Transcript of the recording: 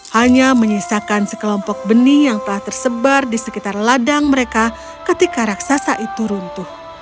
hanya menyisakan sekelompok benih yang telah tersebar di sekitar ladang mereka ketika raksasa itu runtuh